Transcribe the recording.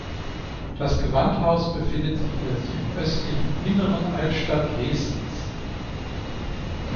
Das Gewandhaus befindet sich in der südöstlichen Inneren Altstadt Dresdens.